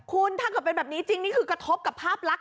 คุณถ้าเกิดเป็นแบบนี้จริงนี่คือกระทบกับภาพลักษ